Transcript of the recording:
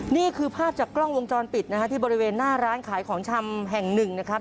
นี่คือภาพจากกล้องวงจรปิดนะฮะที่บริเวณหน้าร้านขายของชำแห่งหนึ่งนะครับ